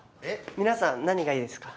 皆さん何がいいですか？